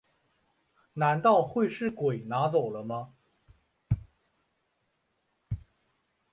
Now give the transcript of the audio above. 难道会是鬼拿走了吗